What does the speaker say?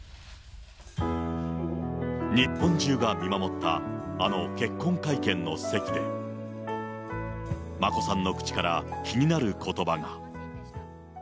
日本中が見守ったあの結婚会見の席で、眞子さんの口から気になることばが。